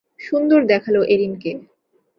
সুন্দর দেখাল এরিনকে।